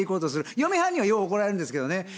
嫁はんにはよう怒られるんですけどね。